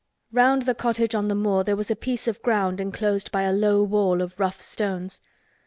Round the cottage on the moor there was a piece of ground enclosed by a low wall of rough stones.